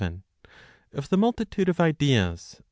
Of the Multitude of Ideas.